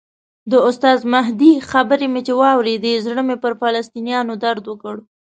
د استاد مهدي خبرې چې مې واورېدې زړه مې پر فلسطینیانو درد وکړ.